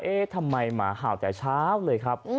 ทำไมหมาเห่าแต่เช้าเลยครับ